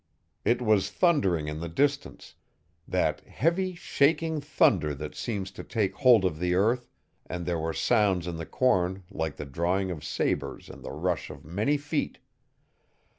It was thundering in the distance that heavy, shaking thunder that seems to take hold of the earth, and there were sounds in the corn like the drawing of sabers and the rush of many feet.